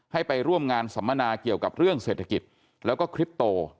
ไปร่วมงานสัมมนาเกี่ยวกับเรื่องเศรษฐกิจแล้วก็คลิปโต